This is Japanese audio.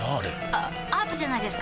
あアートじゃないですか？